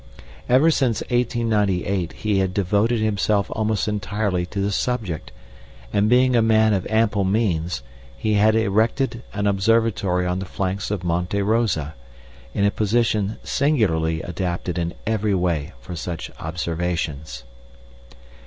Ever since 1898 he had devoted himself almost entirely to this subject, and being a man of ample means he had erected an observatory on the flanks of Monte Rosa, in a position singularly adapted in every way for such observations.